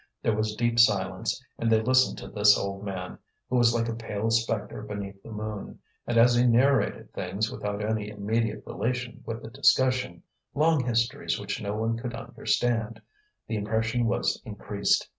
There was deep silence, and they listened to this old man, who was like a pale spectre beneath the moon, and as he narrated things without any immediate relation with the discussion long histories which no one could understand the impression was increased.